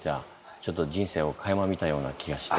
ちょっと人生をかいま見たような気がして。